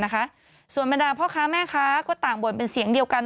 ส่วนบรรดาพ่อค้าแม่ค้าก็ต่างบ่นเป็นเสียงเดียวกัน